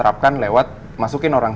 sampai perut kembung